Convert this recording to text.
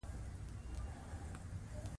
بزګر خپل یوم راواخست.